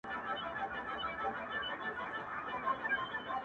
شېریني که ژوند خووږ دی؛ ستا د سونډو په نبات دی،